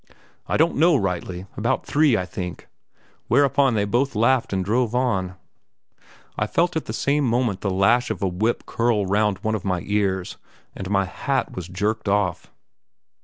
"I don't know rightly; about three, I think!" Whereupon they both laughed and drove on. I felt at the same moment the lash of a whip curl round one of my ears, and my hat was jerked off.